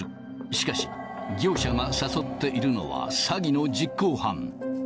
しかし、業者が誘っているのは詐欺の実行犯。